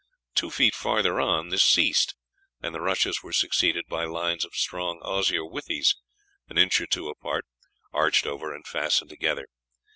Two feet farther on this ceased, and the rushes were succeeded by lines of strong osier withies, an inch or two apart, arched over and fastened together.